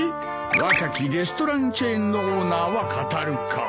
「若きレストランチェーンのオーナーは語る」か。